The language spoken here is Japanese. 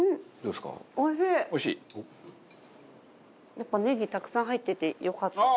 やっぱネギたくさん入っててよかった。